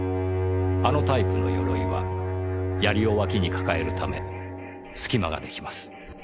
あのタイプの鎧は槍を脇に抱えるため隙間ができます。